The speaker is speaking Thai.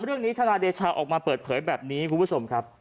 เรื่องนี้ธนาเดชาออกมาเปิดเผยแบบนี้คุณผู้ชมครับ